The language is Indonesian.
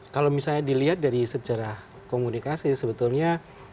kalau misalnya dilihat dari sejarah komunikasi sebetulnya